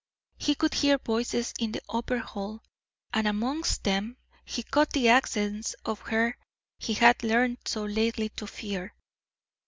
He could hear voices in the upper hall, and amongst them he caught the accents of her he had learned so lately to fear.